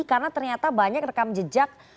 karena ternyata banyak rekam jejak